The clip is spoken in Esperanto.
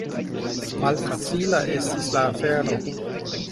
Malfacila estis la afero.